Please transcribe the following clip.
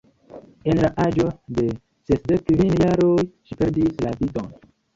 En la aĝo de sesdek kvin jaroj ŝi perdis la vidon.